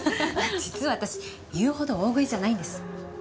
実は私言うほど大食いじゃないんです。